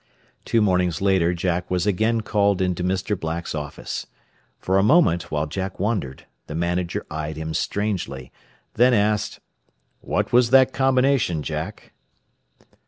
Two mornings later Jack was again called into Mr. Black's office. For a moment, while Jack wondered, the manager eyed him strangely, then asked, "What was that combination, Jack?"